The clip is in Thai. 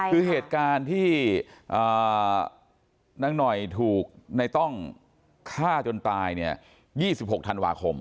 คือเหตุการณ์ที่นางหน่อยถูกในต้องฆ่าจนตายเนี่ย๒๖ธันวาคม